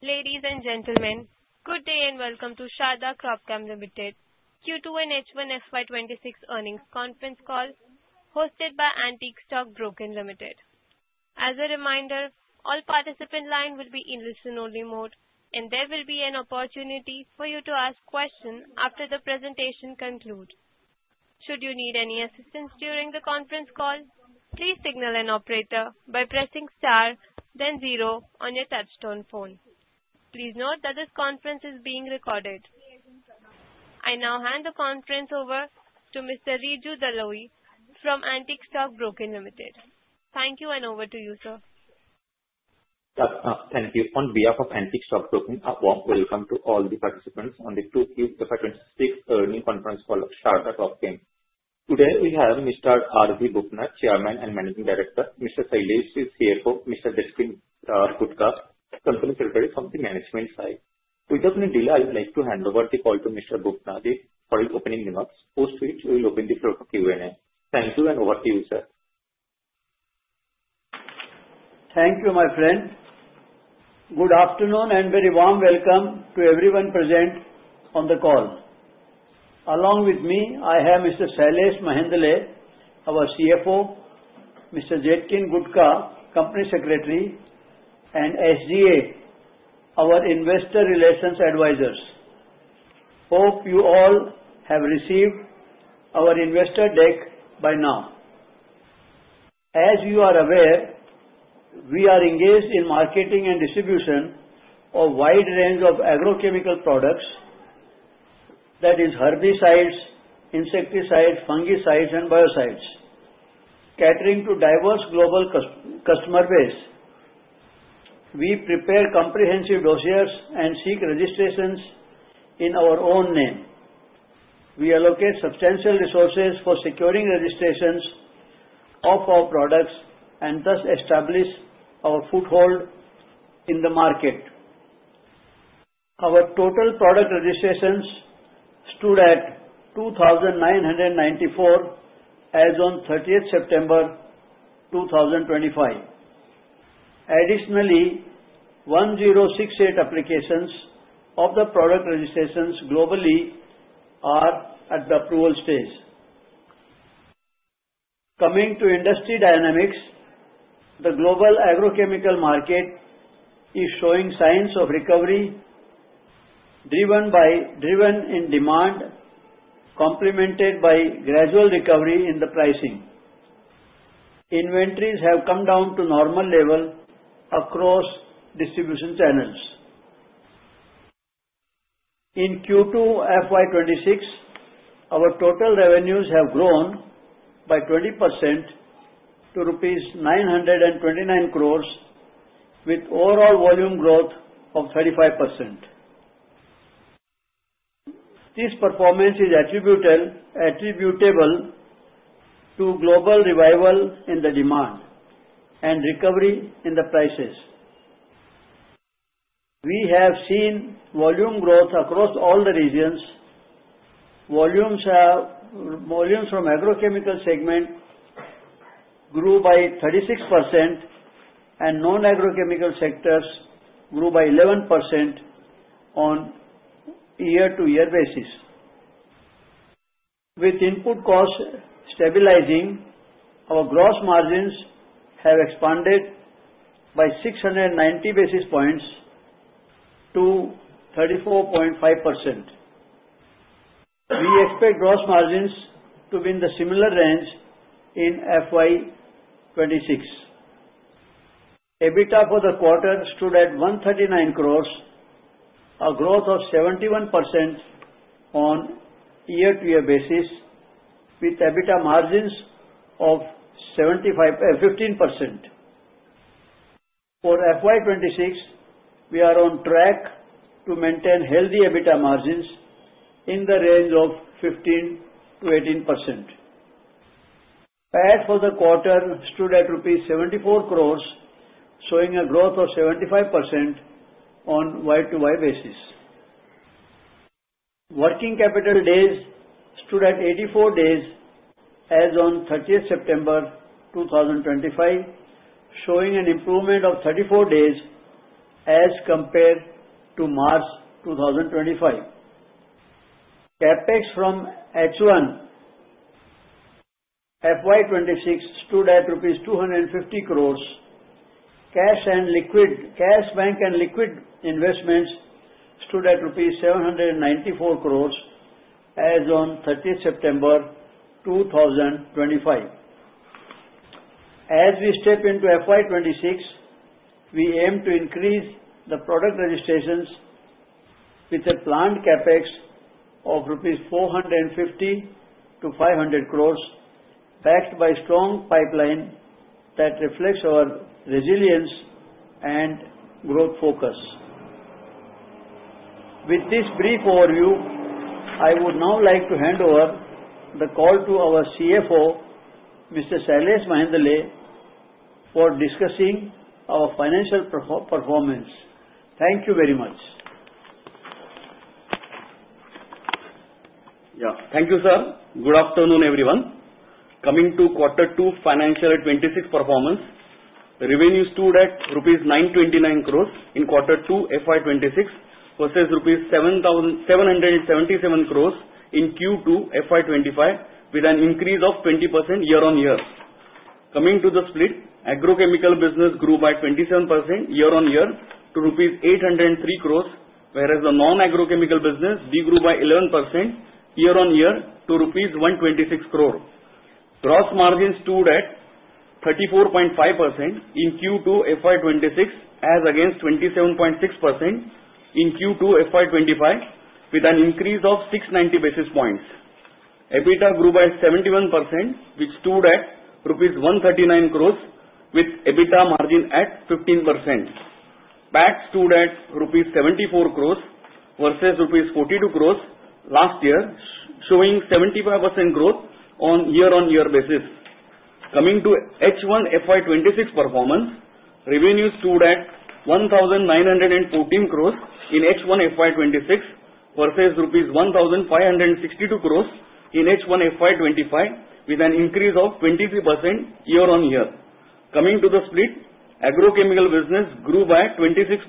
Ladies and gentlemen, good day and welcome to Sharda Cropchem Limited Q2 and H1 FY 2026 earnings conference call hosted by Antique Stock Broking Limited. As a reminder, all participant lines will be in listen-only mode, and there will be an opportunity for you to ask questions after the presentation concludes. Should you need any assistance during the conference call, please signal an operator by pressing star, then zero on your touch-tone phone. Please note that this conference is being recorded. I now hand the conference over to Mr. Riju Dalui from Antique Stock Broking Limited. Thank you, and over to you, sir. Thank you. On behalf of Antique Stock Broking, a warm welcome to all the participants on the Q2 and H1 FY 2026 earnings conference call of Sharda Cropchem. Today we have Mr. R. V. Bubna, Chairman and Managing Director. Mr. Shailesh, CFO. Mr. Jetkin Gudhka, Company Secretary from the management side. Without any delay, I would like to hand over the call to Mr. Bubna for his opening remarks, post which we will open the floor for Q&A. Thank you, and over to you, sir. Thank you, my friend. Good afternoon and very warm welcome to everyone present on the call. Along with me, I have Mr. Shailesh Mehendale, our CFO, Mr. Jetkin Gudhka, company secretary, and SGA, our investor relations advisors. Hope you all have received our investor deck by now. As you are aware, we are engaged in marketing and distribution of a wide range of Agrochemical products, that is, herbicides, insecticides, fungicides, and biocides, catering to a diverse global customer base. We prepare comprehensive dossiers and seek registrations in our own name. We allocate substantial resources for securing registrations of our products and thus establish our foothold in the market. Our total product registrations stood at 2,994 as of 30th September 2025. Additionally, 1,068 applications of the product registrations globally are at the approval stage. Coming to industry dynamics, the global Agrochemical market is showing signs of recovery driven by demand, complemented by gradual recovery in the pricing. Inventories have come down to normal level across distribution channels. In Q2 FY 2026, our total revenues have grown by 20% to rupees 929 crores, with overall volume growth of 35%. This performance is attributable to global revival in the demand and recovery in the prices. We have seen volume growth across all the regions. Volumes from the Agrochemical segment grew by 36%, and Non-Agrochemical sectors grew by 11% on a year-to-year basis. With input costs stabilizing, our gross margins have expanded by 690 basis points to 34.5%. We expect gross margins to be in the similar range in FY 2026. EBITDA for the quarter stood at 139 crores, a growth of 71% on a year-to-year basis, with EBITDA margins of 15%. For FY 2026, we are on track to maintain healthy EBITDA margins in the range of 15%-18%. PAT for the quarter stood at rupees 74 crores, showing a growth of 75% on a year-to-year basis. Working capital days stood at 84 days as of 30th September 2025, showing an improvement of 34 days as compared to March 2025. CapEx from H1 FY 2026 stood at rupees 250 crores. Cash and liquid cash bank and liquid investments stood at rupees 794 crores as of 30th September 2025. As we step into FY 2026, we aim to increase the product registrations with a planned CapEx of rupees 450-500 crores, backed by a strong pipeline that reflects our resilience and growth focus. With this brief overview, I would now like to hand over the call to our CFO, Mr. Shailesh Mehendale, for discussing our financial performance. Thank you very much. Yeah, thank you, sir. Good afternoon, everyone. Coming to Q2 and fiscal year 2026 performance, revenues stood at rupees 929 crores in Q2 and FY 2026 versus rupees 777 crores in Q2 and FY 2025, with an increase of 20% year-on-year. Coming to the split, Agrochemical business grew by 27% year-on-year to rupees 803 crores, whereas the Non-Agrochemical business degrew by 11% year-on-year to rupees 126 crores. Gross margins stood at 34.5% in Q2 and FY 2026 as against 27.6% in Q2 and FY 2025, with an increase of 690 basis points. EBITDA grew by 71%, which stood at rupees 139 crores, with EBITDA margin at 15%. PAT stood at rupees 74 crores versus rupees 42 crores last year, showing 75% growth on a year-on-year basis. Coming to H1 FY 2026 performance, revenues stood at 1,914 crores in H1 FY 2026 versus rupees 1,562 crores in H1 FY 2025, with an increase of 23% year-on-year. Coming to the split, Agrochemical business grew by 26%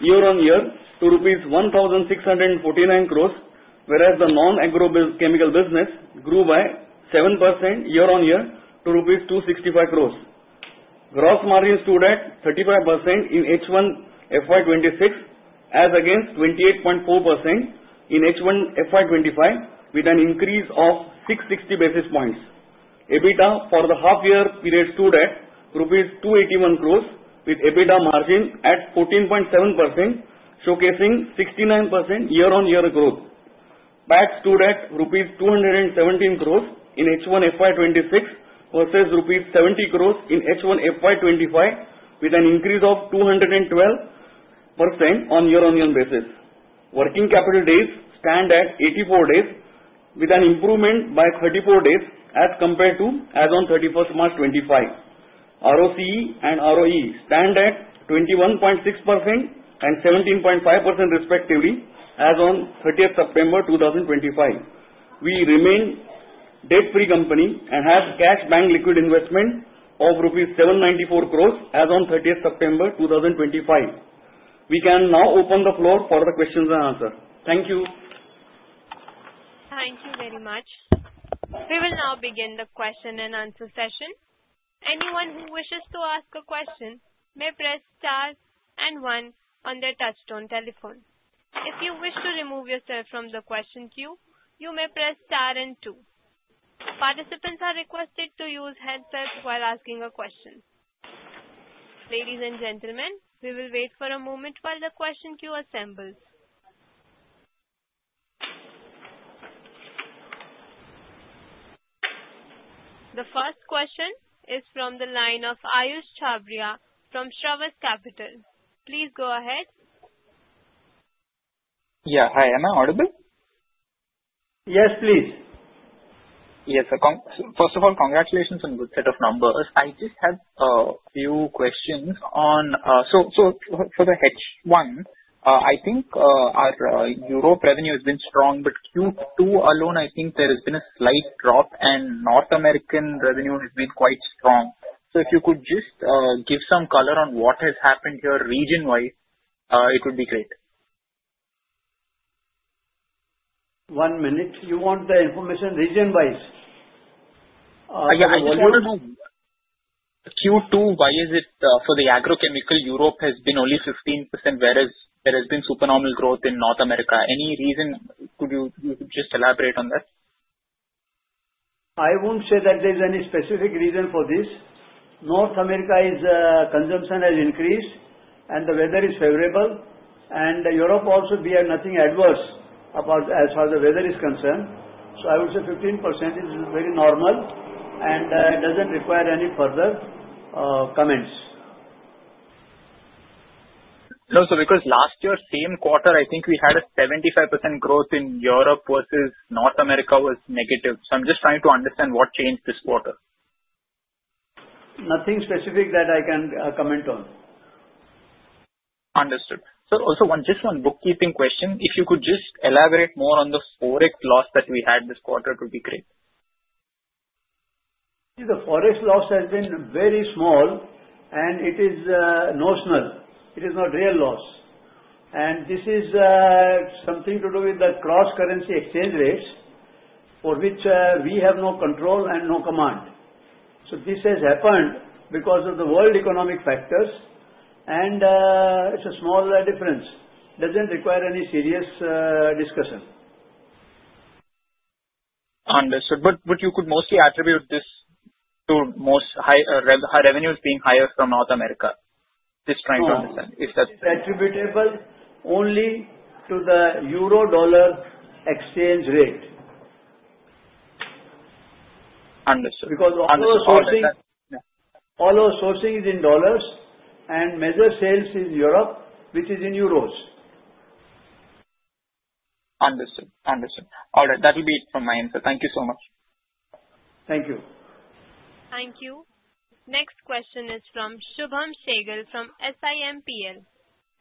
year-on-year to 1,649 crores rupees, whereas the Non-Agrochemical business grew by 7% year-on-year to rupees 265 crores. Gross margins stood at 35% in H1 FY 2026 as against 28.4% in H1 FY 2025, with an increase of 660 basis points. EBITDA for the half-year period stood at rupees 281 crores, with EBITDA margin at 14.7%, showcasing 69% year-on-year growth. PAT stood at rupees 217 crores in H1 FY 2026 versus rupees 70 crores in H1 FY 2025, with an increase of 212% on a year-on-year basis. Working capital days stand at 84 days, with an improvement by 34 days as compared to as of 31st March 2025. ROCE and ROE stand at 21.6% and 17.5% respectively as of 30th September 2025. We remain a debt-free company and have cash bank liquid investment of rupees 794 crores as of 30th September 2025. We can now open the floor for the questions and answers. Thank you. Thank you very much. We will now begin the question and answer session. Anyone who wishes to ask a question may press star and one on their touch-tone telephone. If you wish to remove yourself from the question queue, you may press star and two. Participants are requested to use headsets while asking a question. Ladies and gentlemen, we will wait for a moment while the question queue assembles. The first question is from the line of Ayush Chabria from Shravas Capital. Please go ahead. Yeah, hi. Am I audible? Yes, please. Yes, sir. First of all, congratulations on a good set of numbers. I just have a few questions on. So for the H1, I think our Europe revenue has been strong, but Q2 alone, I think there has been a slight drop, and North American revenue has been quite strong. So if you could just give some color on what has happened here region-wise, it would be great. One minute. You want the information region-wise? Yeah, I just want to know Q2, why is it for the Agrochemical Europe has been only 15%, whereas there has been supernormal growth in North America? Any reason? Could you just elaborate on that? I won't say that there's any specific reason for this. North America's consumption has increased, and the weather is favorable, and Europe also, we have nothing adverse as far as the weather is concerned, so I would say 15% is very normal, and it doesn't require any further comments. No, sir, because last year, same quarter, I think we had a 75% growth in Europe versus North America was negative, so I'm just trying to understand what changed this quarter? Nothing specific that I can comment on. Understood. So also, just one bookkeeping question. If you could just elaborate more on the forex loss that we had this quarter, it would be great. The forex loss has been very small, and it is notional. It is not real loss, and this is something to do with the cross-currency exchange rates, for which we have no control and no command, so this has happened because of the world economic factors, and it's a small difference. It doesn't require any serious discussion. Understood. But you could mostly attribute this to high revenues being higher from North America. Just trying to understand if that's? It's attributable only to the euro-dollar exchange rate. Understood. Because all our sourcing is in dollars, and major sales is Europe, which is in euros. Understood. Understood. All right. That will be it from my end, sir. Thank you so much. Thank you. Thank you. Next question is from Shubham Sehgal from SiMPL.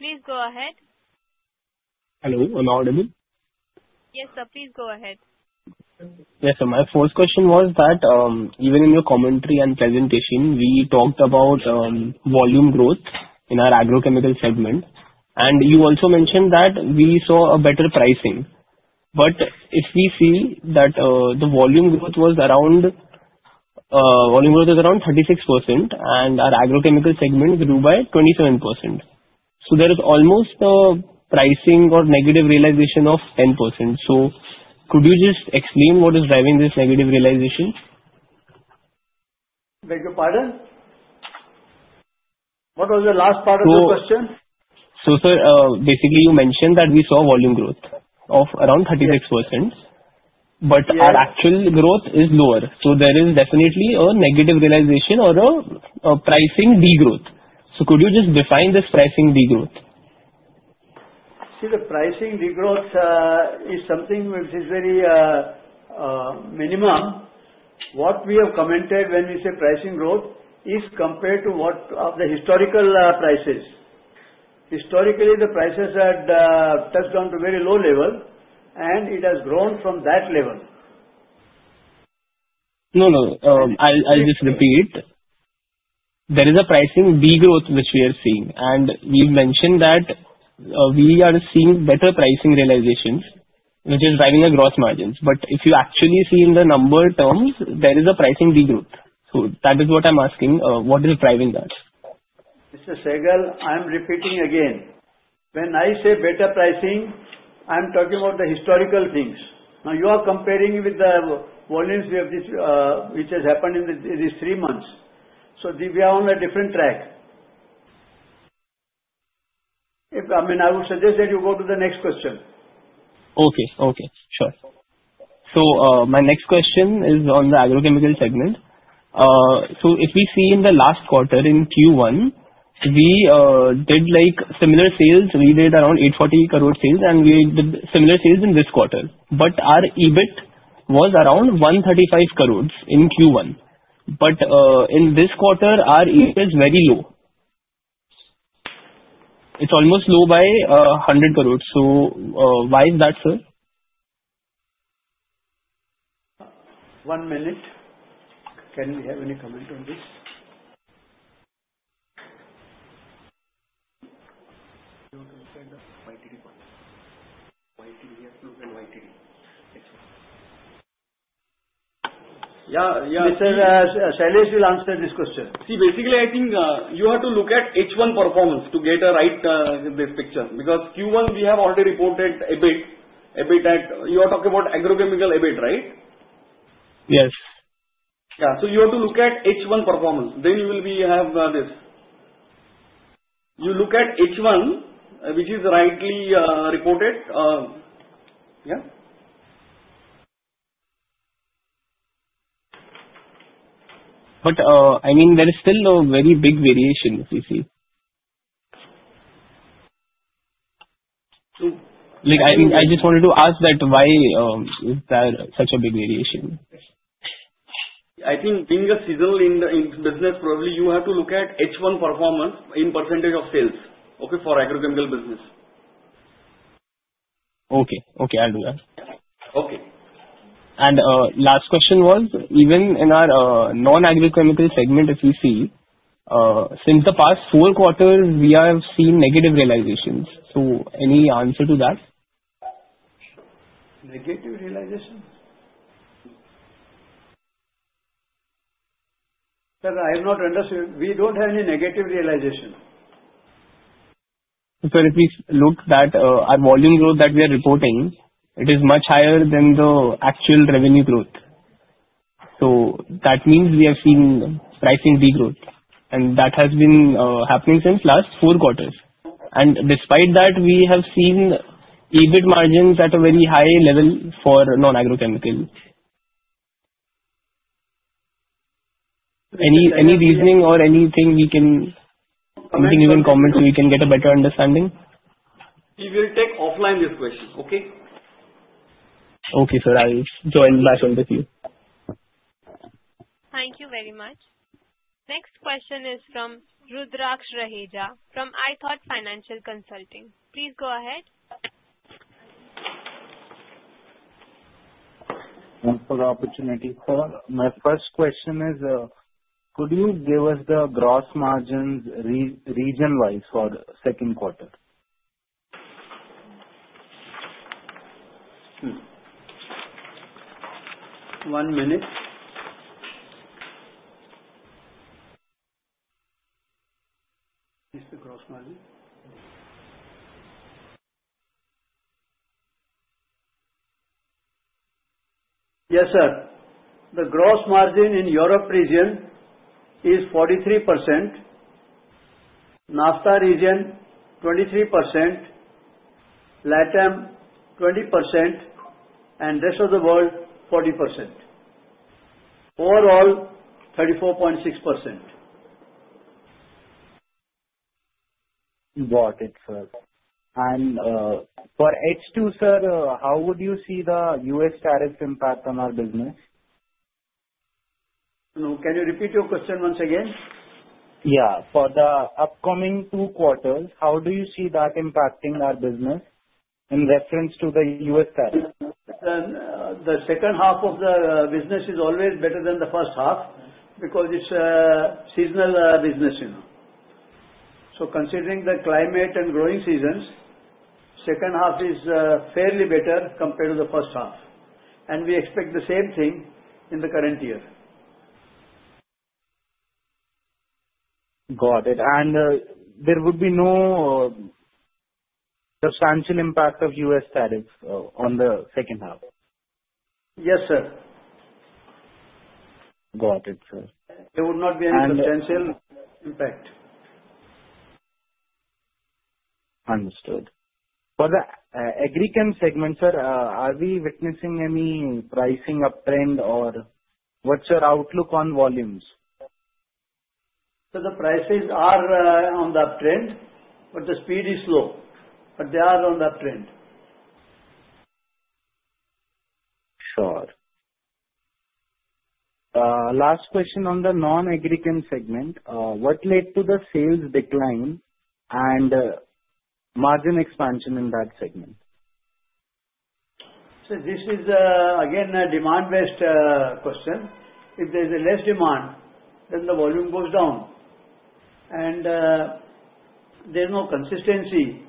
Please go ahead. Hello. Am I audible? Yes, sir. Please go ahead. Yes, sir. My first question was that even in your commentary and presentation, we talked about volume growth in our Agrochemical segment. And you also mentioned that we saw better pricing. But if we see that the volume growth was around 36%, and our Agrochemical segment grew by 27%, so there is almost a pricing or negative realization of 10%. So could you just explain what is driving this negative realization? Wait. You pardon? What was the last part of your question? So, sir, basically, you mentioned that we saw volume growth of around 36%, but our actual growth is lower. So there is definitely a negative realization or a pricing degrowth. So could you just define this pricing degrowth? See, the pricing degrowth is something which is very minimum. What we have commented when we say pricing growth is compared to the historical prices. Historically, the prices had touched down to a very low level, and it has grown from that level. No, no. I'll just repeat. There is a pricing degrowth which we are seeing. And we've mentioned that we are seeing better pricing realizations, which is driving the gross margins. But if you actually see in the number terms, there is a pricing degrowth. So that is what I'm asking. What is driving that? Mr. Sehgal, I'm repeating again. When I say better pricing, I'm talking about the historical things. Now, you are comparing with the volumes which have happened in these three months. So we are on a different track. I mean, I would suggest that you go to the next question. Sure. So my next question is on the Agrochemical segment. So if we see in the last quarter in Q1, we did similar sales. We did around 840 crore sales, and we did similar sales in this quarter. But our EBIT was around 135 crores in Q1. But in this quarter, our EBIT is very low. It's almost low by 100 crores. So why is that, sir? One minute. Can we have any comment on this? Yeah, yeah. Shailesh will answer this question. See, basically, I think you have to look at H1 performance to get a right picture because Q1, we have already reported EBIT. You are talking about Agrochemical EBIT, right? Yes. Yeah. So you have to look at H1 performance. Then you will have this. You look at H1, which is rightly reported. Yeah? But I mean, there is still a very big variation, if you see. So. I just wanted to ask that why is there such a big variation? I think being a seasonal business, probably you have to look at H1 performance in percentage of sales, okay, for Agrochemical business. Okay. Okay. I'll do that. Okay. And last question was, even in our Non-Agrochemical segment, if you see, since the past four quarters, we have seen negative realizations. So any answer to that? Negative realization? Sir, I have not understood. We don't have any negative realization. Sir, if we look at our volume growth that we are reporting, it is much higher than the actual revenue growth. So that means we have seen pricing degrowth. And that has been happening since last four quarters. And despite that, we have seen EBIT margins at a very high level for Non-Agrochemical. Any reasoning or anything we can comment so we can get a better understanding? We will take offline this question, okay? Okay, sir. I'll join back on with you. Thank you very much. Next question is from Rudraksh Raheja from ithought Financial Consulting. Please go ahead. Thanks for the opportunity. My first question is, could you give us the gross margins region-wise for the second quarter? One minute. Is the gross margin? Yes, sir. The gross margin in Europe region is 43%, NAFTA region 23%, LATAM 20%, and rest of the world 40%. Overall, 34.6%. Got it, sir. And for H2, sir, how would you see the U.S. tariff impact on our business? Can you repeat your question once again? Yeah. For the upcoming two quarters, how do you see that impacting our business in reference to the U.S. tariff? The second half of the business is always better than the first half because it's a seasonal business, so considering the climate and growing seasons, the second half is fairly better compared to the first half, and we expect the same thing in the current year. Got it. And there would be no substantial impact of U.S. tariff on the second half? Yes, sir. Got it, sir. There would not be any substantial impact. Understood. For the Agrochemical segment, sir, are we witnessing any pricing uptrend, or what's your outlook on volumes? So the prices are on the uptrend, but the speed is slow. But they are on the uptrend. Sure. Last question on the Non-Agrochemical segment. What led to the sales decline and margin expansion in that segment? This is, again, a demand-based question. If there's less demand, then the volume goes down. And there's no consistency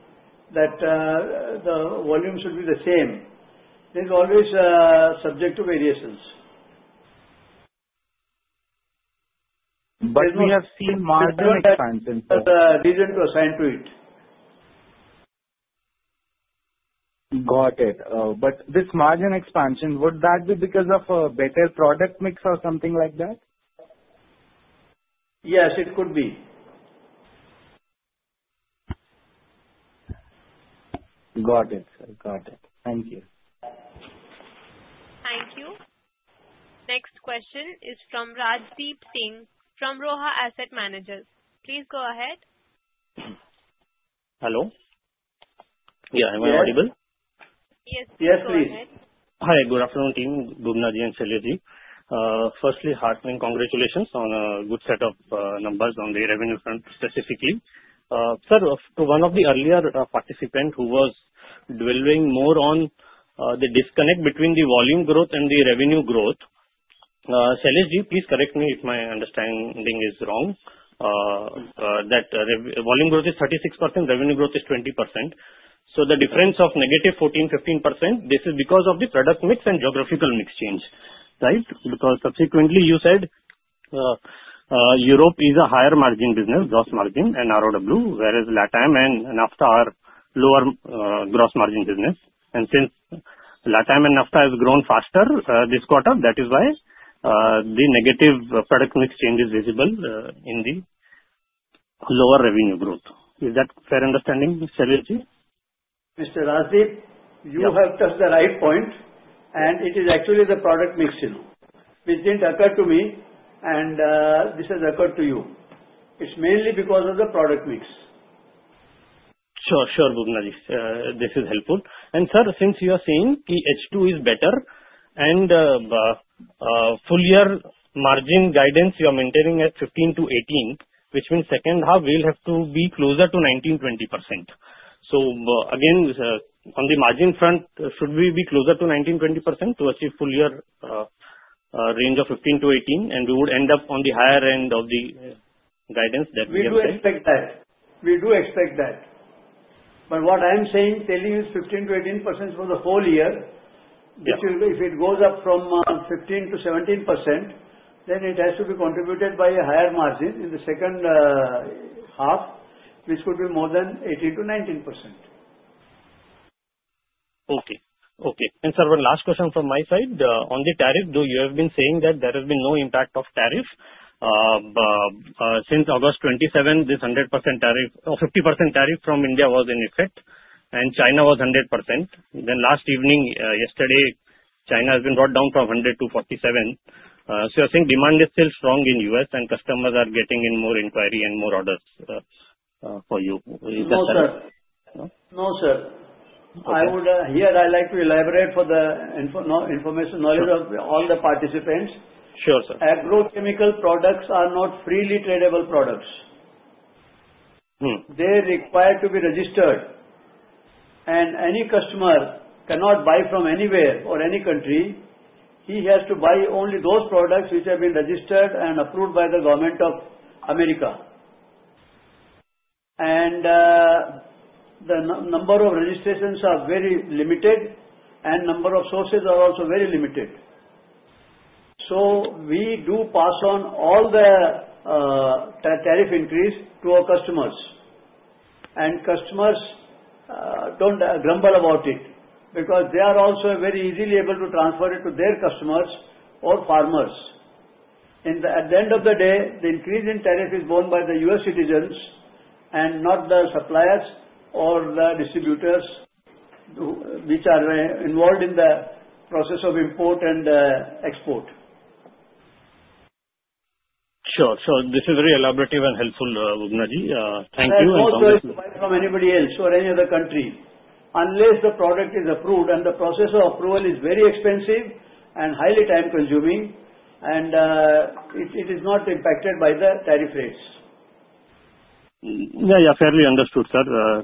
that the volume should be the same. There's always subjective variations. We have seen margin expansion. There's a reason to assign to it. Got it. But this margin expansion, would that be because of a better product mix or something like that? Yes, it could be. Got it, sir. Got it. Thank you. Thank you. Next question is from Rajdeep Singh from Roha Asset Managers. Please go ahead. Hello? Yeah. Am I audible? Yes. Yes, please. Yes, please. Hi. Good afternoon, team. Bubna ji and Shailesh ji. Firstly, heartfelt congratulations on a good set of numbers on the revenue front specifically. Sir, to one of the earlier participants who was dwelling more on the disconnect between the volume growth and the revenue growth, Shailesh ji, please correct me if my understanding is wrong, that volume growth is 36%, revenue growth is 20%. So the difference of negative 14%-15%, this is because of the product mix and geographical mix change, right? Because subsequently, you said Europe is a higher margin business, gross margin and ROW, whereas LATAM and NAFTA are lower gross margin business. And since LATAM and NAFTA have grown faster this quarter, that is why the negative product mix change is visible in the lower revenue growth. Is that fair understanding, Shailesh ji? Mr. Rajdeep, you have touched the right point. And it is actually the product mix. It didn't occur to me, and this has occurred to you. It's mainly because of the product mix. Sure. Sure, Bubna ji. This is helpful. And sir, since you are saying H2 is better and full-year margin guidance, you are maintaining at 15%-18%, which means second half will have to be closer to 19%-20%. So again, on the margin front, should we be closer to 19%-20% to achieve full-year range of 15%-18%? And we would end up on the higher end of the guidance that we have given. We do expect that. We do expect that. But what I am telling you is 15%-18% for the whole year, which if it goes up from 15%-17%, then it has to be contributed by a higher margin in the second half, which could be more than 18%-19%. Okay. Okay. And sir, one last question from my side. On the tariff, you have been saying that there has been no impact of tariff. Since August 27, this 100% tariff or 50% tariff from India was in effect, and China was 100%. Then last evening, yesterday, China has been brought down from 100%-47%. So you are saying demand is still strong in the U.S., and customers are getting in more inquiry and more orders for you. No, sir. No, sir. I would like to elaborate here for the information and knowledge of all the participants. Sure, sir. Agrochemical products are not freely tradable products. They require to be registered. And any customer cannot buy from anywhere or any country. He has to buy only those products which have been registered and approved by the government of America. And the number of registrations are very limited, and the number of sources are also very limited. So we do pass on all the tariff increase to our customers. And customers don't grumble about it because they are also very easily able to transfer it to their customers or farmers. At the end of the day, the increase in tariff is borne by the U.S. citizens and not the suppliers or the distributors which are involved in the process of import and export. Sure. So this is very elaborate and helpful, Bubna ji. Thank you. It's not going to buy from anybody else or any other country unless the product is approved. And the process of approval is very expensive and highly time-consuming, and it is not impacted by the tariff rates. Yeah, yeah. Fully understood, sir.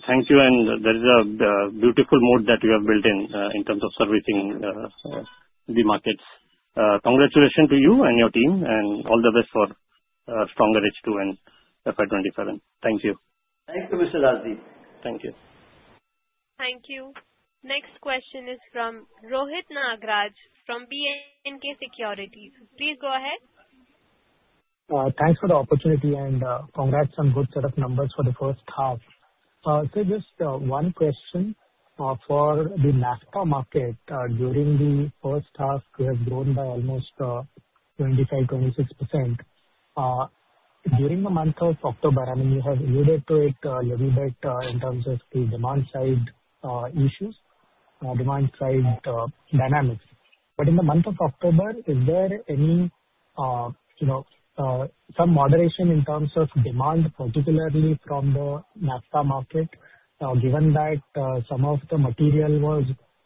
Thank you, and there is a beautiful moat that you have built in terms of servicing the markets. Congratulations to you and your team, and all the best for stronger H2 and FY 2027. Thank you. Thank you, Mr. Rajdeep. Thank you. Thank you. Next question is from Rohit Nagraj from B&K Securities. Please go ahead. Thanks for the opportunity and congrats on good set of numbers for the first half. Sir, just one question. For the NAFTA market, during the first half, it has grown by almost 25%-26%. During the month of October, I mean, you have alluded to it a little bit in terms of the demand-side issues, demand-side dynamics. But in the month of October, is there any moderation in terms of demand, particularly from the NAFTA market, given that some of the material was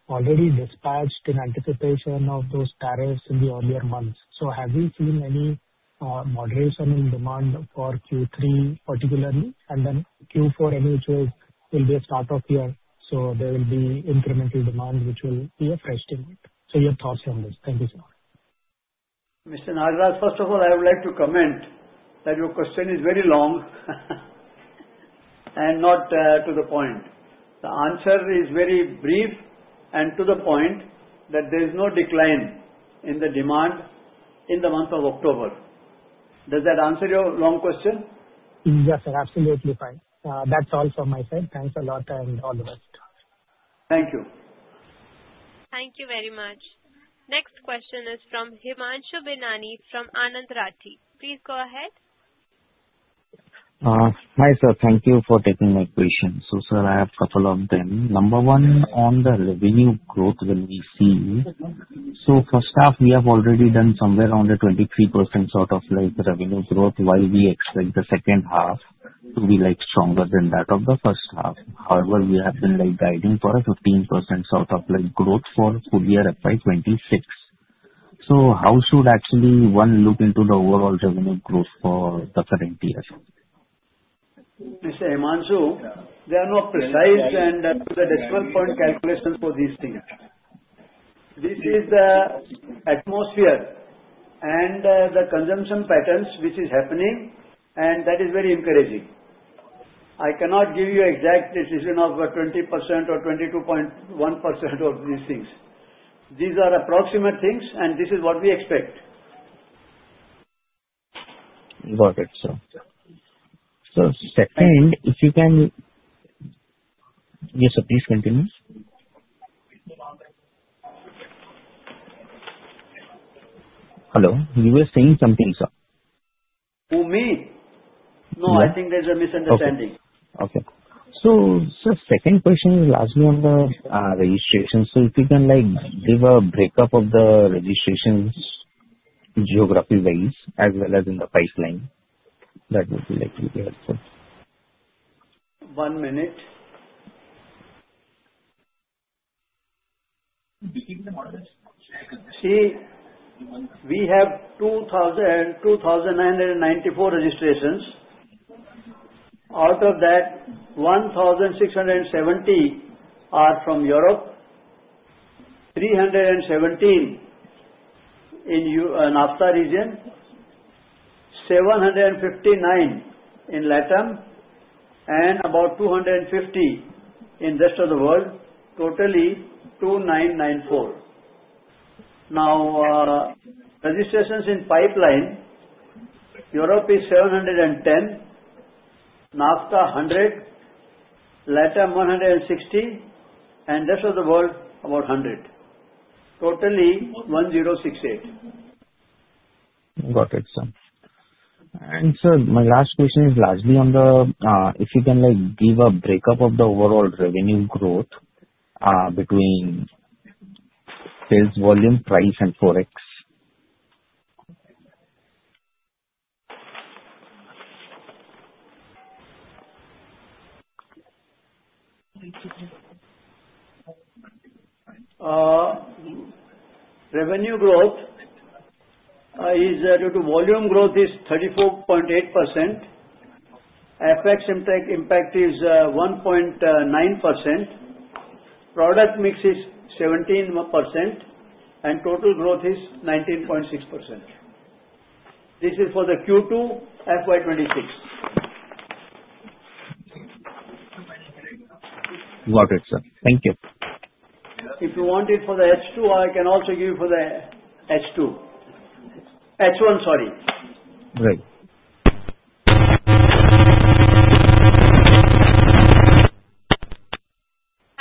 already dispatched in anticipation of those tariffs in the earlier months? So have we seen any moderation in demand for Q3, particularly? And then Q4, anyway, will be a start of year. So there will be incremental demand, which will be a fresh thing. So your thoughts on this? Thank you so much. Mr. Nagraj, first of all, I would like to comment that your question is very long and not to the point. The answer is very brief and to the point that there is no decline in the demand in the month of October. Does that answer your long question? Yes, sir. Absolutely fine. That's all from my side. Thanks a lot and all the best. Thank you. Thank you very much. Next question is from Himanshu Binani from Anand Rathi. Please go ahead. Hi, sir. Thank you for taking my question. So, sir, I have a couple of them. Number one, on the revenue growth, when we see so first half, we have already done somewhere around a 23% sort of revenue growth while we expect the second half to be stronger than that of the first half. However, we have been guiding for a 15% sort of growth for full FY 2026. So how should actually one look into the overall revenue growth for the current year? Mr. Himanshu, there are no precise and to the detailed point calculations for these things. This is the atmosphere and the consumption patterns which is happening, and that is very encouraging. I cannot give you exact decision of 20% or 22.1% of these things. These are approximate things, and this is what we expect. Got it, sir. So, second, if you can, yes, sir, please continue. Hello. You were saying something, sir. Oh, me? No, I think there's a misunderstanding. Okay. So, sir, second question is largely on the registrations. So if you can give a breakup of the registrations geography-wise as well as in the pipeline, that would be helpful. One minute. See, we have 2,994 registrations. Out of that, 1,670 are from Europe, 317 in NAFTA region, 759 in LATAM, and about 250 in the rest of the world, totally 2,994. Now, registrations in pipeline, Europe is 710, NAFTA 100, LATAM 160, and the rest of the world about 100. Totally 1,068. Got it, sir. And, sir, my last question is largely on if you can give a breakup of the overall revenue growth between sales volume, price, and forex. Revenue growth is due to volume growth, is 34.8%. FX impact is 1.9%. Product mix is 17%, and total growth is 19.6%. This is for the Q2 FY 2026. Got it, sir. Thank you. If you want it for the H2, I can also give you for the H2. H1, sorry. Right.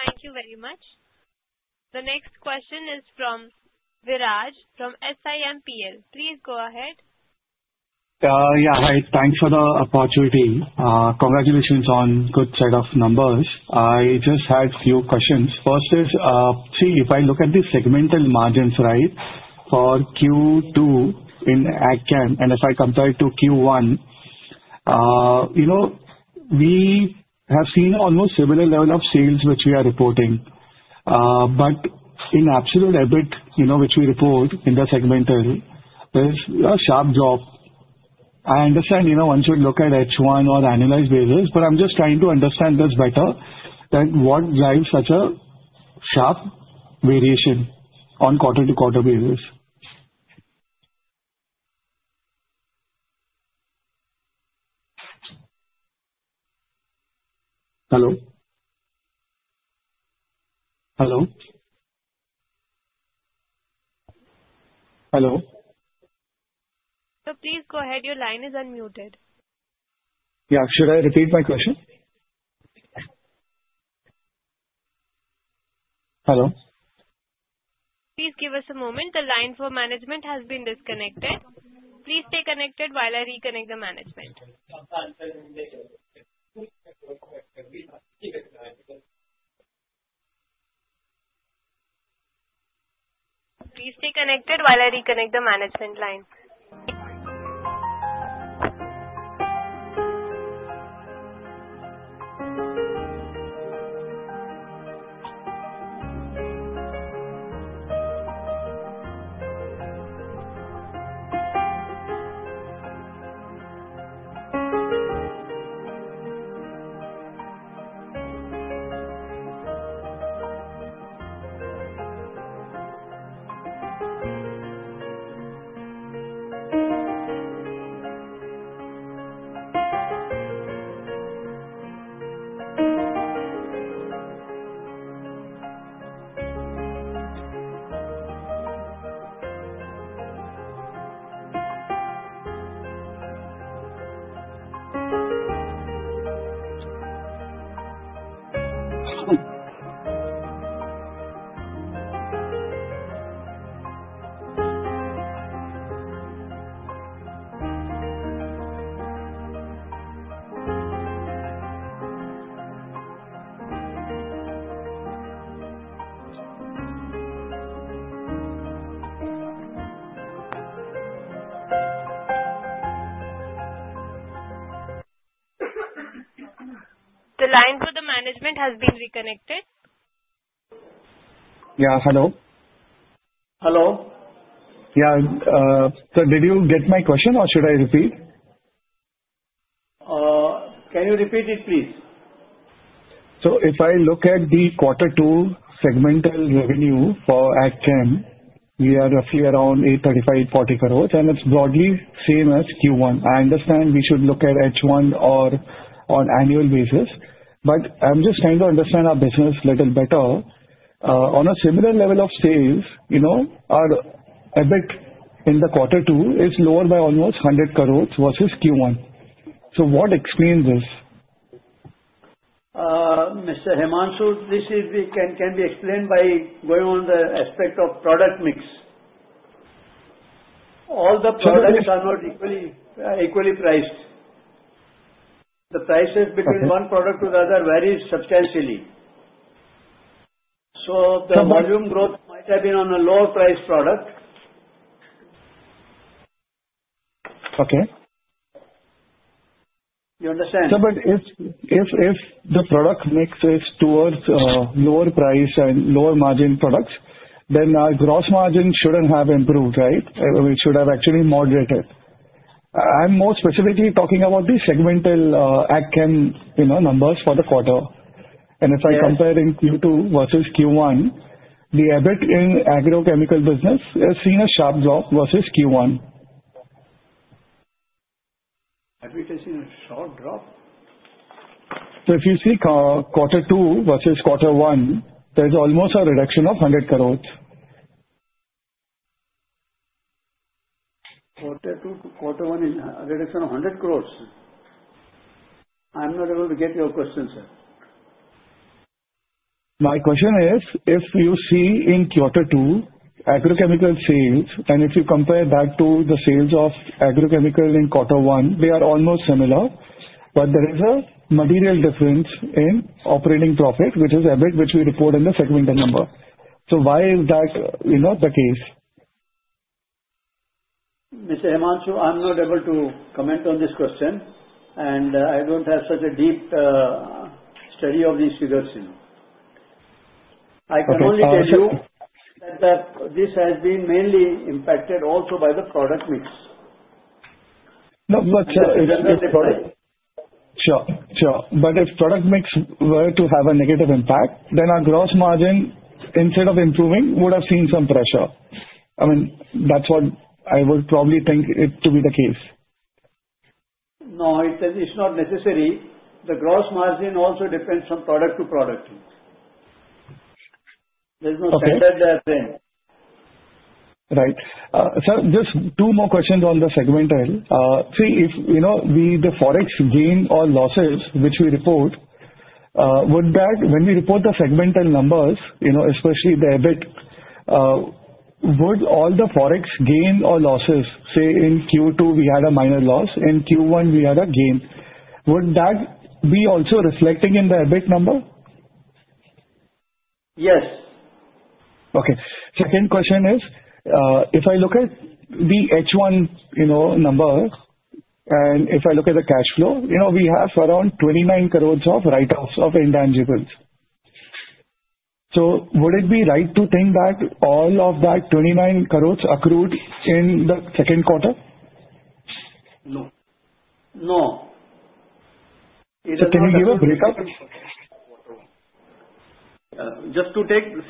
Thank you very much. The next question is from Viraj from SiMPL. Please go ahead. Yeah. Hi. Thanks for the opportunity. Congratulations on good set of numbers. I just had a few questions. First is, see, if I look at the segmental margins, right, for Q2 in Agrochem and if I compare it to Q1, we have seen almost similar level of sales which we are reporting. But in absolute EBIT, which we report in the segmental, there's a sharp drop. I understand once you look at H1 or analyze basis, but I'm just trying to understand this better than what drives such a sharp variation on quarter-to-quarter basis. Sir please go ahead. Your line is unmuted. Yeah. Should I repeat my question? Hello. Please give us a moment. The line for management has been disconnected. Please stay connected while I reconnect the management. Please stay connected while I reconnect the management line. The line for the management has been reconnected. Yeah. Hello. Hello. Yeah. So did you get my question, or should I repeat? Can you repeat it, please? So if I look at the quarter two segmental revenue for Agrochem, we are roughly around 835.40 crore, and it's broadly same as Q1. I understand we should look at H1 or on annual basis. But I'm just trying to understand our business a little better. On a similar level of sales, our EBIT in the quarter two is lower by almost 100 crores versus Q1. So what explains this? Mr. Himanshu, this can be explained by going on the aspect of product mix. All the products are not equally priced. The prices between one product to the other vary substantially. So the volume growth might have been on a lower price product. Okay. You understand? Sir, but if the product mix is towards lower price and lower margin products, then our gross margin shouldn't have improved, right? It should have actually moderated. I'm more specifically talking about the segmental ag chem numbers for the quarter. And if I compare in Q2 versus Q1, the EBIT in Agrochemical business has seen a sharp drop versus Q1. EBIT has seen a sharp drop? So if you see quarter two versus quarter one, there's almost a reduction of 100 crore. Quarter two to quarter one is a reduction of 100 crore. I'm not able to get your question, sir. My question is, if you see in quarter two Agrochemical sales, and if you compare that to the sales of Agrochemical in quarter one, they are almost similar. But there is a material difference in operating profit, which is EBIT, which we report in the segmental number. So why is that the case? Mr. Himanshu, I'm not able to comment on this question, and I don't have such a deep study of these figures. I can only tell you that this has been mainly impacted also by the product mix. No, but. Negative product. Sure. Sure. But if product mix were to have a negative impact, then our gross margin, instead of improving, would have seen some pressure. I mean, that's what I would probably think it to be the case. No, it's not necessary. The gross margin also depends from product to product. There's no standard there then. Right. Sir, just two more questions on the segmental. See, if the forex gain or losses which we report, when we report the segmental numbers, especially the EBIT, would all the forex gain or losses, say, in Q2 we had a minor loss, in Q1 we had a gain, would that be also reflecting in the EBIT number? Yes. Okay. Second question is, if I look at the H1 number, and if I look at the cash flow, we have around 29 crores of write-offs of intangibles. So would it be right to think that all of that 29 crores accrued in the second quarter? No. So can you give a break-up? Just to take a sec,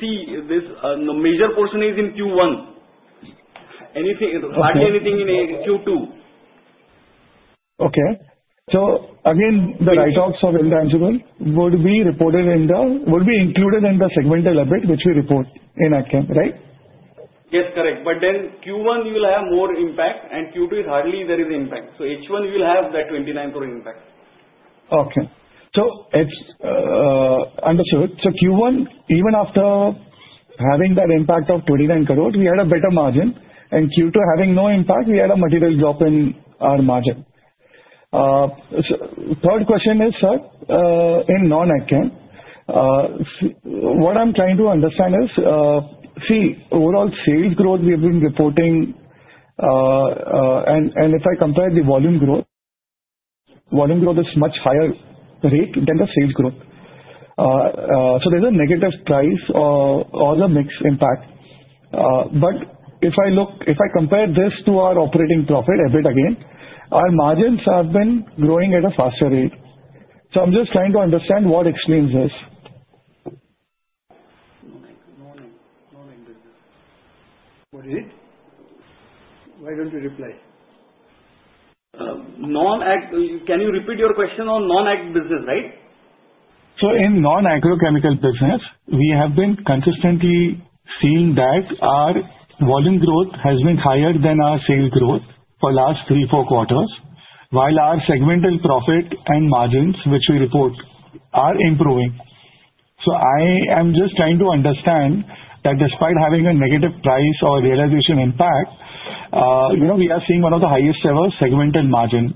the major portion is in Q1. Hardly anything in Q2. Okay. So again, the write-offs of intangibles would be included in the segmental EBIT which we report in ag chem, right? Yes, correct, but then Q1, you'll have more impact, and Q2 is hardly there is impact, so H1, you'll have that 29 crore impact. Okay. So understood. Q1, even after having that impact of 29 basis points, we had a better margin. Q2, having no impact, we had a material drop in our margin. Third question is, sir, in non-ag chem, what I'm trying to understand is, see, overall sales growth we have been reporting, and if I compare the volume growth, volume growth is much higher rate than the sales growth. So there's a negative price or the mix impact. But if I compare this to our operating profit, EBIT again, our margins have been growing at a faster rate. So I'm just trying to understand what explains this. Non-ag business. What is it? Why don't you reply? Can you repeat your question on non-ag business, right? So in Non-Agrochemical business, we have been consistently seeing that our volume growth has been higher than our sales growth for the last three, four quarters, while our segmental profit and margins which we report are improving. So I am just trying to understand that despite having a negative price or realization impact, we are seeing one of the highest ever segmental margin.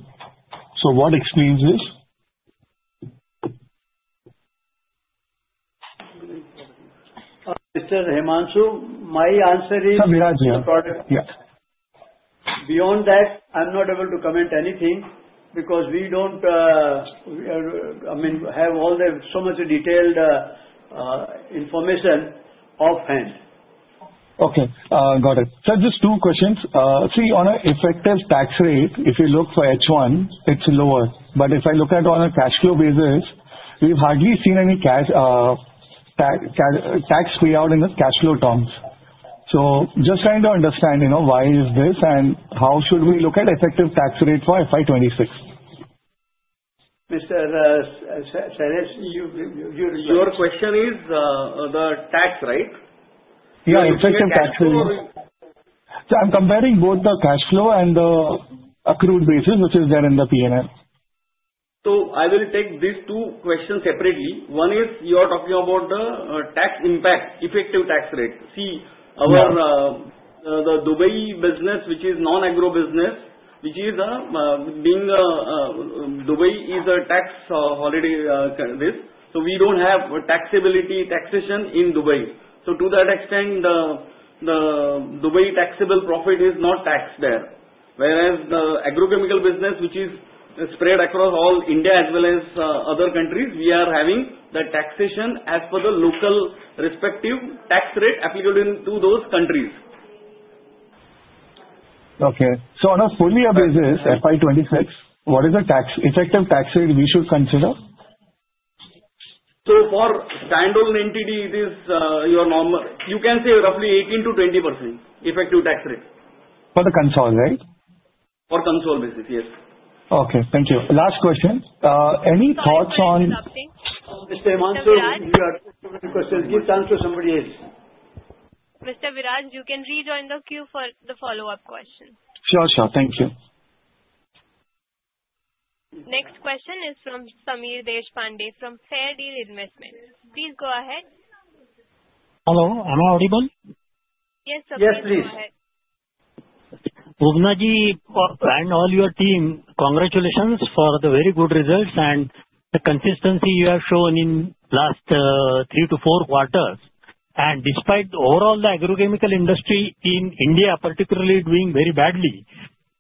So what explains this? Mr. Himanshu, my answer is. Sir, Viraj, yeah. Beyond that, I'm not able to comment anything because we don't have all the so much detailed information offhand. Okay. Got it. Sir, just two questions. See, on an effective tax rate, if you look for H1, it's lower. But if I look at it on a cash flow basis, we've hardly seen any tax payout in the cash flow terms. So just trying to understand why is this and how should we look at effective tax rate for FY 2026? Mr. Shailesh, your question is the tax, right? Yeah, effective tax rate. So I'm comparing both the cash flow and the accrued basis, which is there in the P&L. So I will take these two questions separately. One is, you're talking about the tax impact, effective tax rate. See, our Dubai business, which is Non-Agro business, which is in Dubai, is a tax holiday. This. So we don't have taxation in Dubai. So to that extent, the Dubai taxable profit is not taxed there. Whereas the Agrochemical business, which is spread across all India as well as other countries, we are having the taxation as per the local respective tax rate applicable to those countries. Okay. So on a full year basis, FY 2026, what is the effective tax rate we should consider? For Standalone entity, it is your normal. You can say roughly 18%-20% effective tax rate. For the consol, right? For consolidated basis, yes. Okay. Thank you. Last question. Any thoughts on? Mr. Himanshu, we are taking questions. Give time to somebody else. Mr. Viraj, you can rejoin the queue for the follow-up question. Sure, sure. Thank you. Next question is from Sameer Deshpande from Fairdeal Investments. Please go ahead. Hello. Am I audible? Yes, sir. Yes, please. Yes, please. Bubna ji and all your team, congratulations for the very good results and the consistency you have shown in the last three to four quarters. Despite overall the Agrochemical industry in India particularly doing very badly,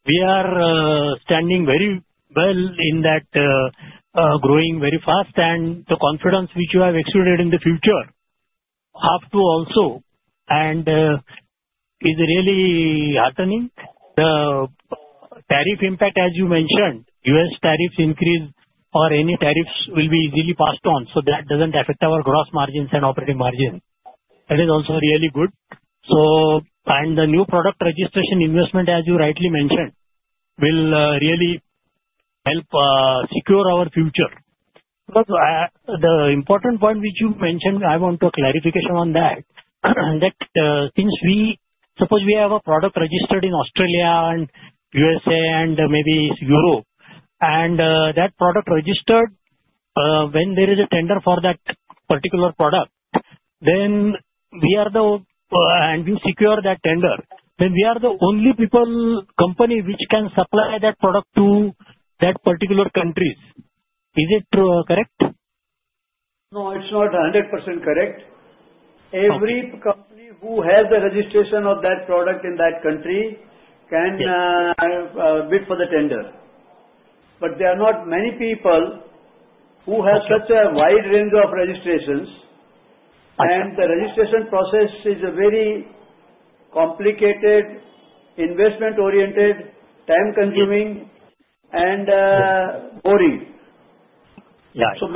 we are standing very well in that growing very fast, and the confidence which you have exuded in the future have to also and is really heartening. The tariff impact, as you mentioned, U.S. tariffs increase or any tariffs will be easily passed on. So that doesn't affect our gross margins and operating margin. That is also really good. The new product registration investment, as you rightly mentioned, will really help secure our future. The important point which you mentioned, I want a clarification on that, that since we suppose we have a product registered in Australia and USA and maybe Europe, and that product registered, when there is a tender for that particular product, then we are the and we secure that tender, then we are the only people company which can supply that product to that particular countries. Is it correct? No, it's not 100% correct. Every company who has the registration of that product in that country can bid for the tender. But there are not many people who have such a wide range of registrations, and the registration process is a very complicated, investment-oriented, time-consuming, and boring. So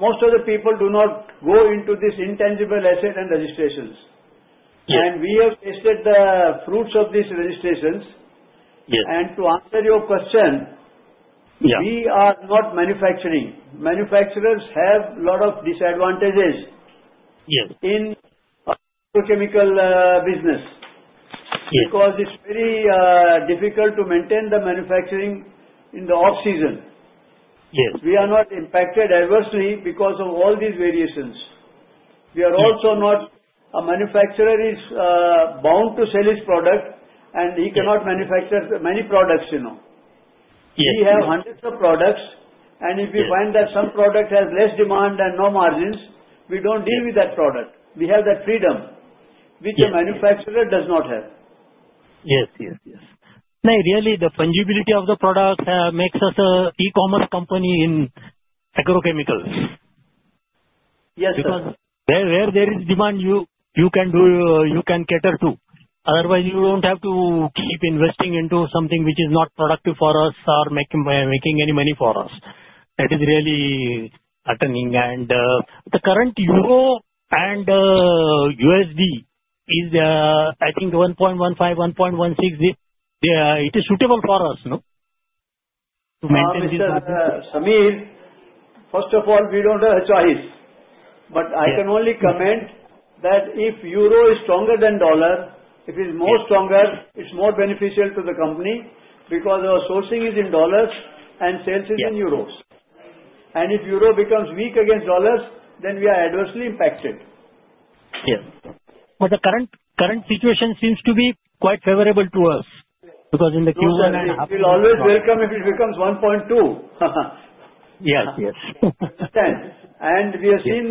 most of the people do not go into these intangible assets and registrations. And we have tasted the fruits of these registrations. And to answer your question, we are not manufacturing. Manufacturers have a lot of disadvantages in Agrochemical business because it's very difficult to maintain the manufacturing in the off-season. We are not impacted adversely because of all these variations. We are also not. A manufacturer is bound to sell his product, and he cannot manufacture many products. We have hundreds of products, and if we find that some product has less demand and no margins, we don't deal with that product. We have that freedom, which a manufacturer does not have. Yes, yes, yes. No, really, the fungibility of the product makes us an e-commerce company in Agrochemicals. Yes, sir. Because where there is demand, you can cater to. Otherwise, you don't have to keep investing into something which is not productive for us or making any money for us. That is really heartening. And the current euro and USD is, I think, 1.15-1.16. It is suitable for us to maintain this. Sameer, first of all, we don't have a choice. But I can only comment that if euro is stronger than dollar, if it's more stronger, it's more beneficial to the company because our sourcing is in dollars and sales is in euros. And if euro becomes weak against dollars, then we are adversely impacted. Yes, but the current situation seems to be quite favorable to us because in the Q1. We'll always welcome if it becomes 1.2. Yes, yes. We have seen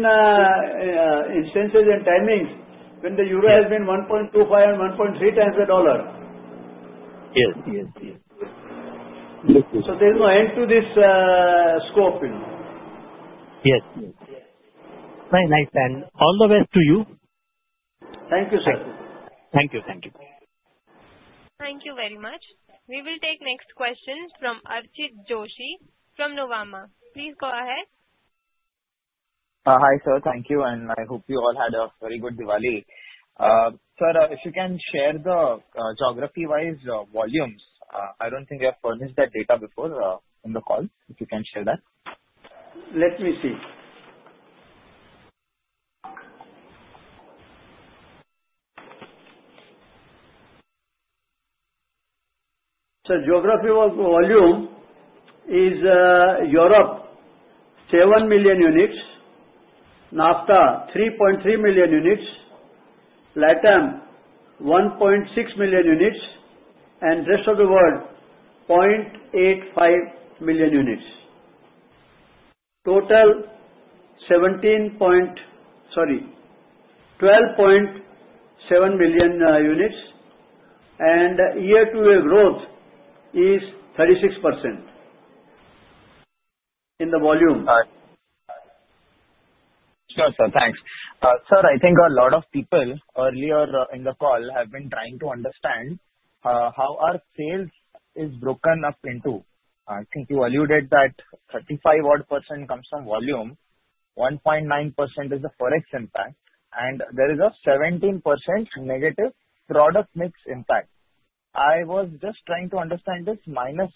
instances and timings when the euro has been 1.25x and 1.3x the dollar. There's no end to this scope. Yes, yes. Very nice, and all the best to you. Thank you, sir. Thank you. Thank you. Thank you very much. We will take next question from Archit Joshi from Nuvama. Please go ahead. Hi, sir. Thank you. And I hope you all had a very good Diwali. Sir, if you can share the geography-wise volumes, I don't think we have furnished that data before in the call. If you can share that. Let me see, so geography-wise volume is Europe, 7 million units, NAFTA, 3.3 million units, LATAM, 1.6 million units, and rest of the world, 0.85 million units. Total 17 point sorry, 12.7 million units, and year-to-year growth is 36% in the volume. Sure, sir. Thanks. Sir, I think a lot of people earlier in the call have been trying to understand how our sales is broken up into. I think you alluded that 35% comes from volume, 1.9% is the forex impact, and there is a 17% negative product mix impact. I was just trying to understand this -17%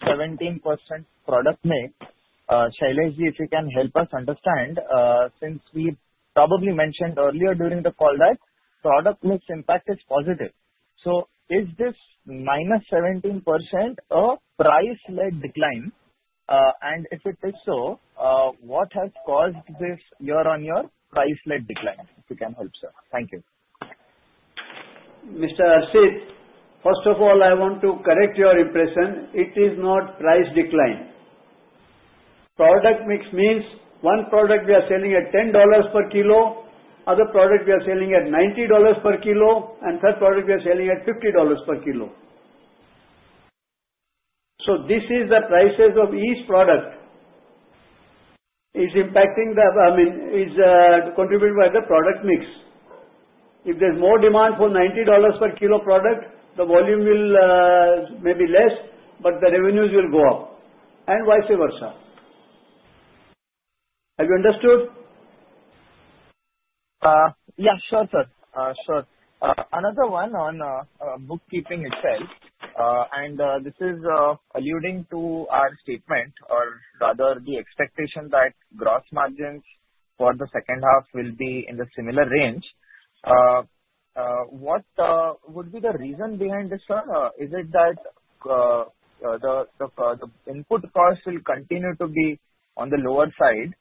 product mix. Shailesh ji, if you can help us understand, since we probably mentioned earlier during the call that product mix impact is positive. So is this minus 17% a price-led decline? And if it is so, what has caused this year-on-year price-led decline? If you can help, sir. Thank you. Mr. Archit, first of all, I want to correct your impression. It is not price decline. Product mix means one product we are selling at $10 per kilo, other product we are selling at $90 per kilo, and third product we are selling at $50 per kilo. So this is the prices of each product. It's impacting the, I mean, it's contributed by the product mix. If there's more demand for $90 per kilo product, the volume will maybe less, but the revenues will go up, and vice versa. Have you understood? Yes, sure, sir. Sure. Another one on the outlook itself, and this is alluding to our statement, or rather the expectation that gross margins for the second half will be in the similar range. What would be the reason behind this, sir? Is it that the input costs will continue to be on the lower side?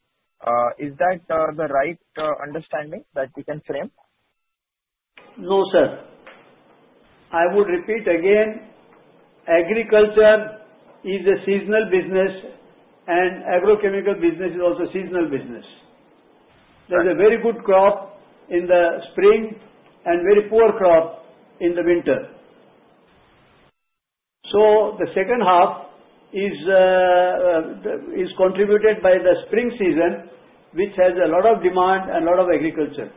Is that the right understanding that we can frame? No, sir. I would repeat again, agriculture is a seasonal business, and Agrochemical business is also a seasonal business. There's a very good crop in the spring and very poor crop in the winter. So the second half is contributed by the spring season, which has a lot of demand and a lot of agriculture.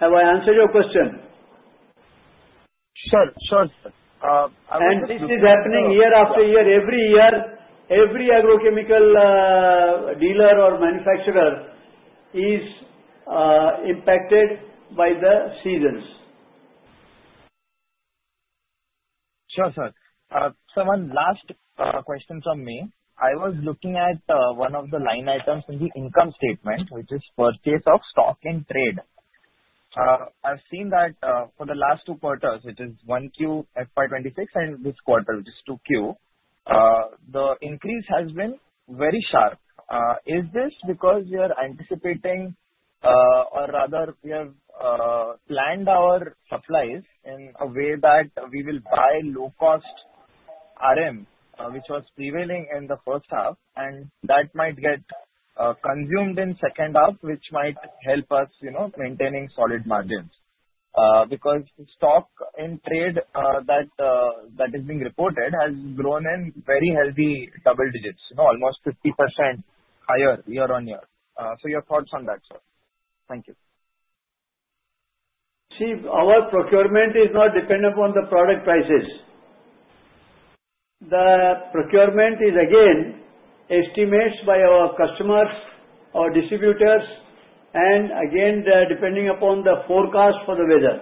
Have I answered your question? Sure, sure. This is happening year-after-year. Every year, every Agrochemical dealer or manufacturer is impacted by the seasons. Sure, sir. Sir, one last question from me. I was looking at one of the line items in the income statement, which is purchase of stock-in-trade. I've seen that for the last two quarters, which is 1Q, FY 2026, and this quarter, which is 2Q, the increase has been very sharp. Is this because we are anticipating, or rather we have planned our supplies in a way that we will buy low-cost RM, which was prevailing in the first half, and that might get consumed in the second half, which might help us maintaining solid margins? Because stock-in-trade that is being reported has grown in very healthy double digits, almost 50% higher year-on-year. So your thoughts on that, sir? Thank you. See, our procurement is not dependent upon the product prices. The procurement is, again, estimated by our customers or distributors, and again, depending upon the forecast for the weather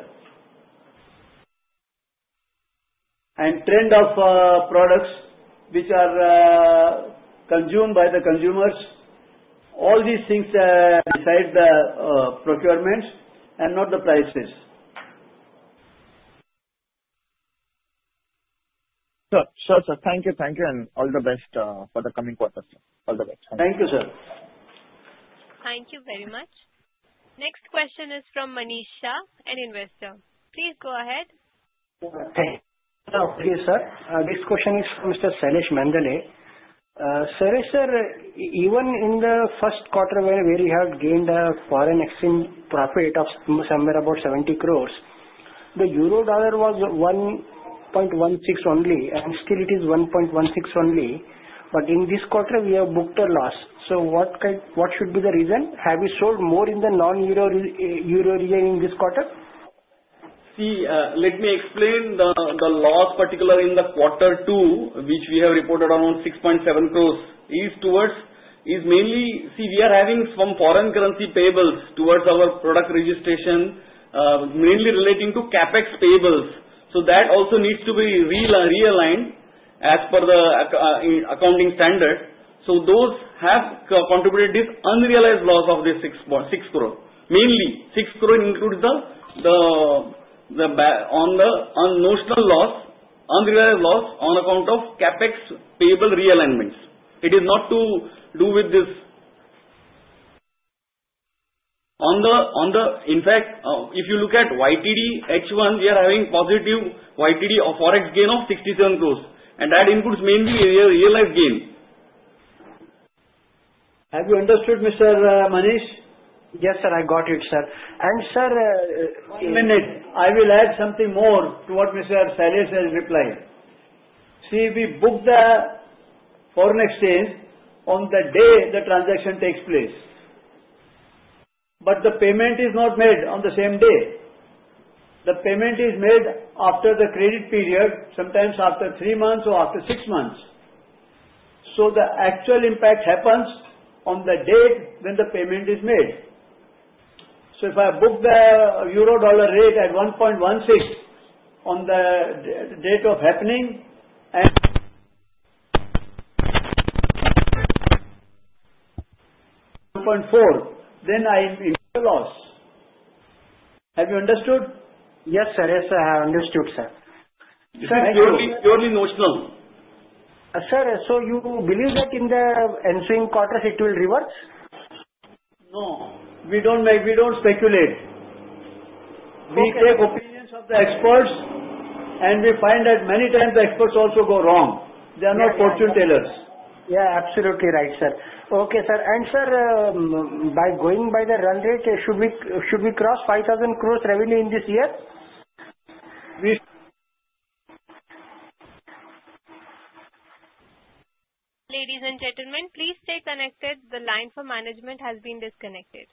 and trend of products which are consumed by the consumers. All these things decide the procurement and not the prices. Sure, sure, sir. Thank you. Thank you. And all the best for the coming quarter, sir. All the best. Thank you, sir. Thank you very much. Next question is from Manish, an investor. Please go ahead. Thank you. Please, sir. Next question is from Mr. Shailesh Mehendale. Shailesh, sir, even in the first quarter where we have gained a foreign exchange profit of somewhere about 70 crores, the euro/dollar was 1.16 only, and still it is 1.16 only. But in this quarter, we have booked a loss. So what should be the reason? Have we sold more in the non-euro area in this quarter? See, let me explain the loss particularly in the quarter two, which we have reported around 6.7 crores. It's mainly see, we are having some foreign currency payables towards our product registration, mainly relating to CapEx payables. So that also needs to be realigned as per the accounting standard. So those have contributed this unrealized loss of the 6 crore. Mainly, 6 crore includes the notional loss, unrealized loss on account of CapEx payable realignments. It is not to do with this. In fact, if you look at YTD H1, we are having positive YTD forex gain of 67 crores. And that includes mainly realized gain. Have you understood, Mr. Manish? Yes, sir. I got it, sir. And, sir. One minute. I will add something more to what Mr. Shailesh has replied. See, we book the foreign exchange on the day the transaction takes place. But the payment is not made on the same day. The payment is made after the credit period, sometimes after three months or after six months. So the actual impact happens on the date when the payment is made. So if I book the euro/dollar rate at 1.16 on the date of happening and 1.4, then I incur a loss. Have you understood? Yes, sir. Yes, I have understood, sir. Thank you. Purely notional. Sir, so you believe that in the ensuing quarter it will revert? No. We don't speculate. We take opinions of the experts, and we find that many times the experts also go wrong. They are not fortune tellers. Yeah, absolutely right, sir. Okay, sir. And, sir, by going by the run rate, should we cross 5,000 crores revenue in this year? Ladies and gentlemen, please stay connected. The line for management has been disconnected.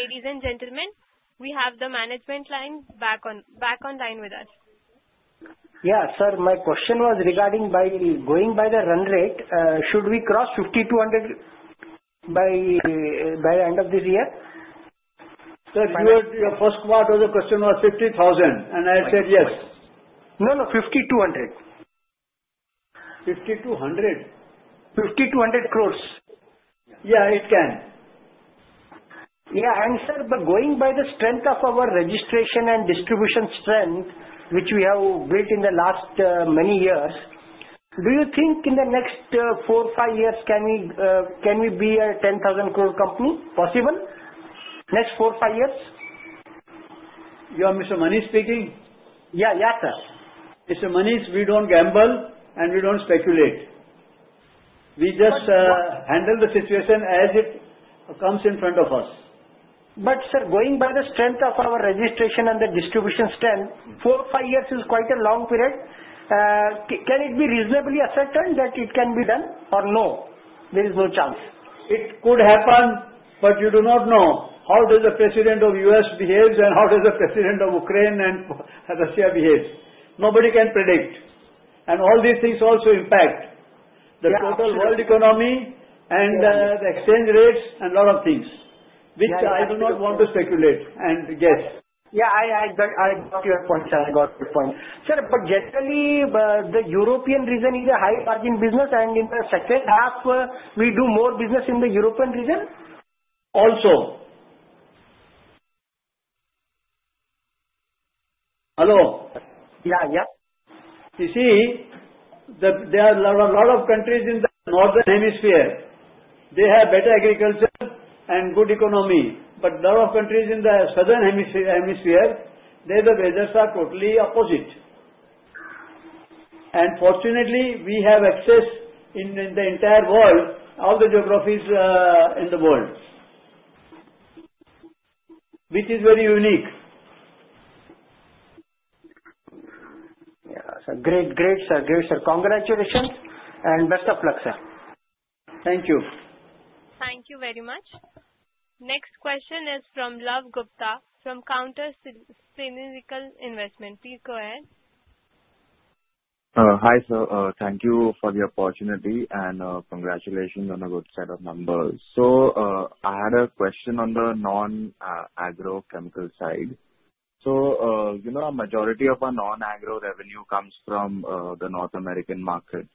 Ladies and gentlemen, we have the management line back on line with us. Yeah, sir. My question was regarding going by the run rate. Should we cross 5,200 by the end of this year? Sir, your first quarter's question was 50,000, and I said yes. No, no. 5,200. Fifty-two hundred? 5,200 crores. Yeah, it can. Yeah. And, sir, going by the strength of our registration and distribution strength, which we have built in the last many years, do you think in the next four, five years can we be a 10,000 crore company? Possible? Next four, five years? You are Mr. Manish speaking? Yeah. Yeah, sir. Mr. Manish, we don't gamble, and we don't speculate. We just handle the situation as it comes in front of us. But, sir, going by the strength of our registration and the distribution strength, four, five years is quite a long period. Can it be reasonably asserted that it can be done? Or no, there is no chance? It could happen, but you do not know how does the president of the U.S. behave, and how does the president of Ukraine and Russia behave. Nobody can predict. And all these things also impact the total world economy and the exchange rates and a lot of things, which I do not want to speculate and guess. Yeah, I got your point, sir. I got your point. Sir, but generally, the European region is a high-margin business, and in the second half, we do more business in the European region? Also. Hello? Yeah, yeah. You see, there are a lot of countries in the northern hemisphere. They have better agriculture and good economy. But a lot of countries in the southern hemisphere, their weathers are totally opposite. And fortunately, we have access in the entire world, all the geographies in the world, which is very unique. Yeah. Sir, great, great, sir. Great, sir. Congratulations and best of luck, sir. Thank you. Thank you very much. Next question is from Love Gupta from Counter Cyclical Investments. Please go ahead. Hi, sir. Thank you for the opportunity, and congratulations on a good set of numbers. I had a question on the Non-Agrochemical side. A majority of our Non-Agrochemical revenue comes from the North American market.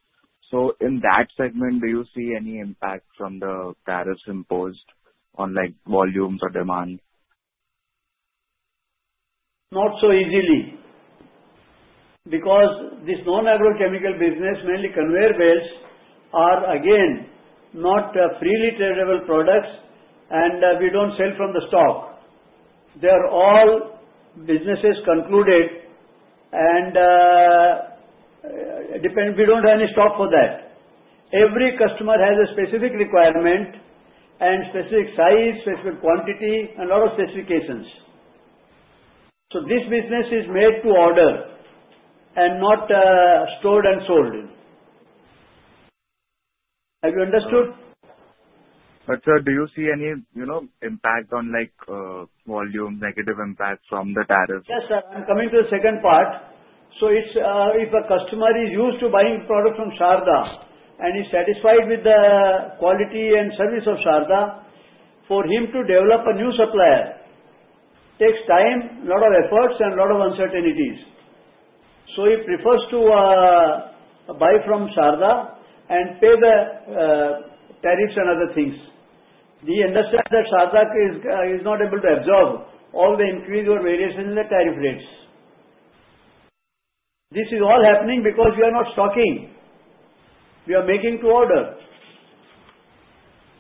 In that segment, do you see any impact from the tariffs imposed on volumes or demand? Not so easily. Because this Non-Agrochemical business, mainly conveyor belts, are again not freely tradable products, and we don't sell from the stock. They are all businesses concluded, and we don't have any stock for that. Every customer has a specific requirement and specific size, specific quantity, and a lot of specifications. So this business is made to order and not stored and sold. Have you understood? But, sir, do you see any impact on volume, negative impact from the tariffs? Yes, sir. I'm coming to the second part. So if a customer is used to buying products from Sharda and is satisfied with the quality and service of Sharda, for him to develop a new supplier takes time, a lot of efforts, and a lot of uncertainties. So he prefers to buy from Sharda and pay the tariffs and other things. The industry at Sharda is not able to absorb all the increase or variation in the tariff rates. This is all happening because we are not stocking. We are making to order.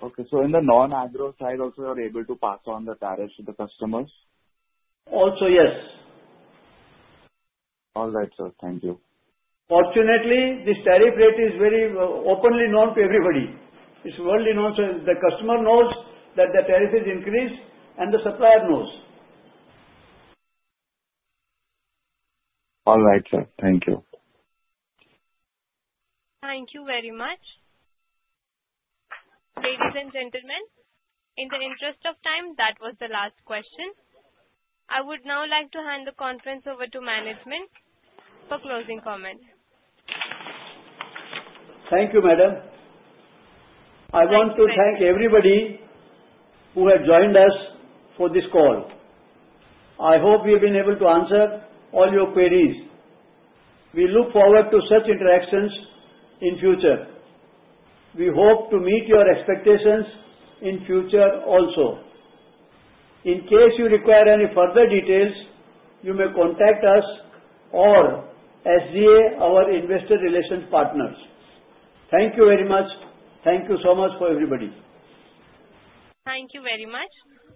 Okay. So in the Non-Agrochemical side, also, you are able to pass on the tariffs to the customers? Also, yes. All right, sir. Thank you. Fortunately, this tariff rate is very openly known to everybody. It's widely known. So the customer knows that the tariff has increased, and the supplier knows. All right, sir. Thank you. Thank you very much. Ladies and gentlemen, in the interest of time, that was the last question. I would now like to hand the conference over to management for closing comments. Thank you, madam. I want to thank everybody who has joined us for this call. I hope we have been able to answer all your queries. We look forward to such interactions in future. We hope to meet your expectations in future also. In case you require any further details, you may contact us or SGA, our investor relations partners. Thank you very much. Thank you so much for everybody. Thank you very much.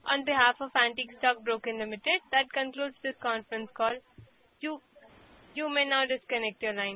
On behalf of Antique Stock Broking Limited, that concludes this conference call. You may now disconnect the line.